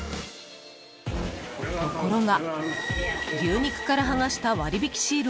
［ところが］